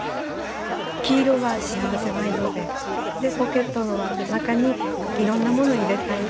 黄色は幸せの色ででポケットの中に色んなものを入れたい。